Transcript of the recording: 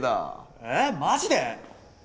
えぇマジで！？